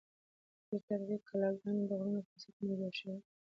ډېری تاریخي کلاګانې د غرونو پر سرونو جوړې شوې دي.